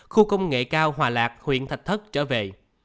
khu công nghệ cao hòa lạc huyện thạch thất trở về